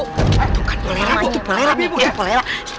tunggu kan polela butuh polela